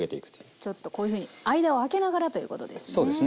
ちょっとこういうふうに間をあけながらということですね。